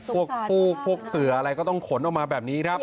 พวกฟูกพวกเสืออะไรก็ต้องขนออกมาแบบนี้ครับ